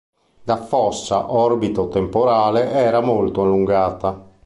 La fossa orbito-temporale era molto allungata.